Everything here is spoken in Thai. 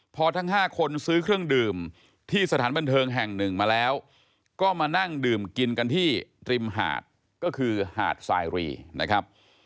พอทั้ง๕คนซื้อเครื่องดื่มที่สถานบันเทิงแห่งหนึ่งมาแล้วก็มานั่งดื่มกินกันที่ริมหาดก็คือหาดสายรีนะครับ